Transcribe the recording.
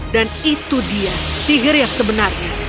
dan itu dia sihir yang sebenarnya